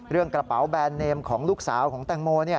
กระเป๋าแบรนดเนมของลูกสาวของแตงโม